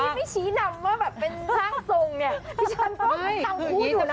ถ้าฉันพี่นี่ไม่ชี้นำว่าแบบเป็นสร้างส่งเนี่ยพี่ฉันก็ต้องพูดอยู่นะ